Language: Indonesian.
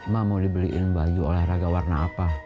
mak mau dibeliin baju olahraga warna apa